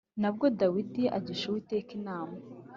Na bwo Dawidi agisha Uwiteka inama